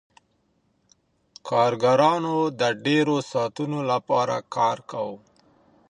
کارګرانو د ډیرو ساعتونو لپاره کار کاوه.